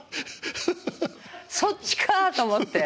そっちかと思って。